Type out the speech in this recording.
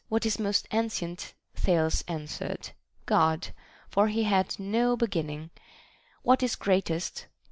What is most ancient X Thales answered, God, for he had no beginning. What is greatest?